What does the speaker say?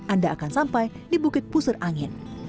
anda akan sampai di bukit pusir angin